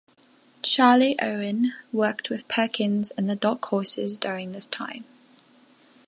Charlie Owen worked with Perkins and the Dark Horses during this time.